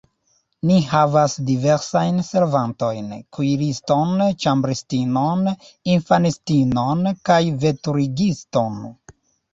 Ni havas diversajn servantojn: kuiriston, ĉambristinon, infanistinon kaj veturigiston.